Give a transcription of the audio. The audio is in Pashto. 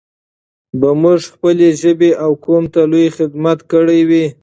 به موږ خپلې ژبې او قوم ته لوى خدمت کړى وي.